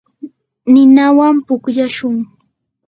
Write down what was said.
ninawan pukllashun.